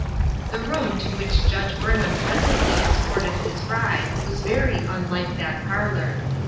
HE room to wliich Judge Burnham pres ently escorted his bride was very milike that parlor.